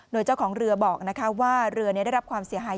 โดยเจ้าของเรือบอกว่าเรือนี้ได้รับความเสียหาย